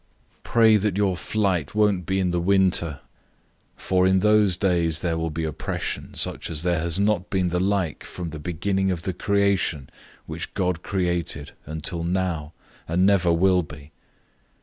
013:018 Pray that your flight won't be in the winter. 013:019 For in those days there will be oppression, such as there has not been the like from the beginning of the creation which God created until now, and never will be.